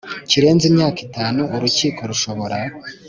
Kirenze Imyaka Itanu Urukiko Rushobora